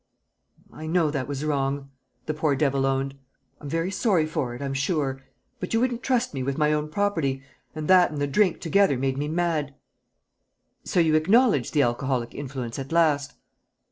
"I know that was wrong," the poor devil owned. "I'm very sorry for it, I'm sure! But you wouldn't trust me with my own property, and that and the drink together made me mad." "So you acknowledge the alcoholic influence at last?"